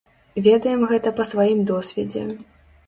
Ведаем гэта па сваім досведзе.